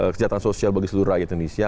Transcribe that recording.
kesejahteraan sosial bagi seluruh rakyat indonesia